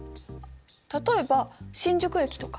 例えば新宿駅とか。